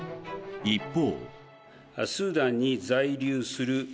一方。